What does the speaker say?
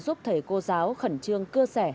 giúp thầy cô giáo khẩn trương cơ sẻ